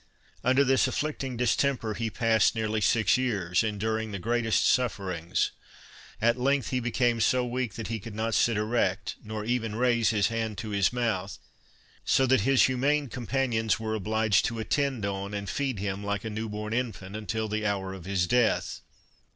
Under this afflicting distemper he passed nearly six years, enduring the greatest sufferings. At length he became so weak that he could not sit erect, nor even raise his hand to his mouth, so that his humane companions were obliged to attend on, and feed him like a new born infant, until the hour of his death.